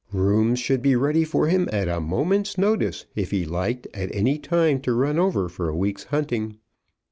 Rooms should be ready for him at a moment's notice if he liked at any time to run over for a week's hunting.